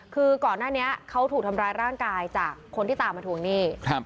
คือก่อนหน้านี้เขาถูกทำร้ายร่างกายจากคนที่ตามมาทวงหนี้